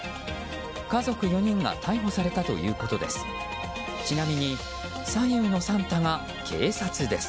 家族４人が逮捕されたということです。